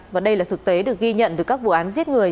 và đây là thực tế được ghi nhận từ các vụ án giết người